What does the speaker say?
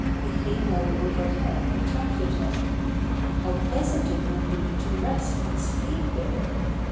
The hay mow overhead attracted him. How pleasant it would be to rest and sleep there!